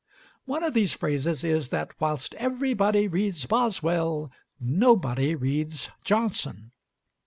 One of these phrases is, that whilst everybody reads Boswell, nobody reads Johnson.